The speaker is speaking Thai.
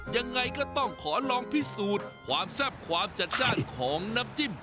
ยังไงก็ต้องขอลองพิสูจน์ความแซ่บความจัดจ้านของน้ำจิ้ม